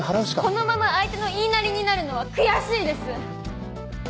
このまま相手の言いなりになるのは悔しいです！